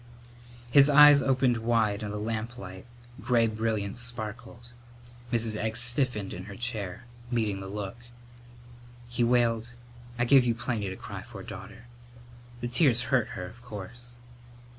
His eyes opened wide in the lamplight, gray brilliance sparkled. Mrs. Egg stiffened in her chair, meeting the look. He wailed, "I gave you plenty to cry for, daughter." The tears hurt her, of course.